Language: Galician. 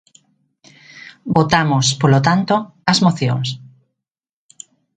Votamos, polo tanto, as mocións.